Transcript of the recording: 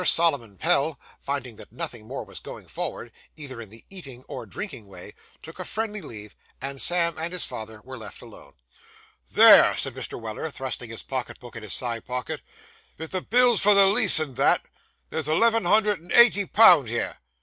Solomon Pell, finding that nothing more was going forward, either in the eating or drinking way, took a friendly leave, and Sam and his father were left alone. 'There!' said Mr. Weller, thrusting his pocket book in his side pocket. 'Vith the bills for the lease, and that, there's eleven hundred and eighty pound here.